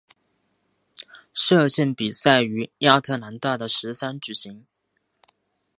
射箭比赛于亚特兰大的石山举行。